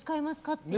って。